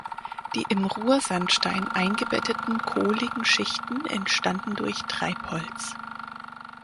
Die im Ruhrsandstein eingebetteten kohligen Schichten entstanden durch Treibholz.